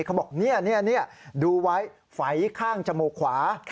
เขาบอกนี่ดูไว้ไฝข้างจมูกขวา